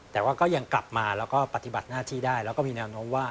แต่ว่าก็ยังกลับมาแล้วก็ปฏิบัติหน้าที่ได้แล้วก็มีแนวโน้มว่า